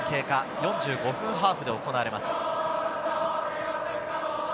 ４５分ハーフで行われます。